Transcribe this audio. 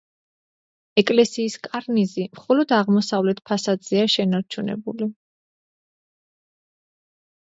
ეკლესიის კარნიზი მხოლოდ აღმოსავლეთ ფასადზეა შენარჩუნებული.